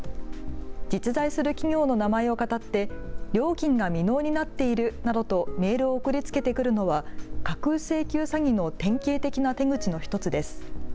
実在する企業の名前をかたって料金が未納になっているなどとメールを送りつけてくるのは架空請求詐欺の典型的な手口の１つです。